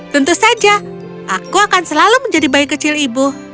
tentu saja aku akan selalu menjadi bayi kecil ibu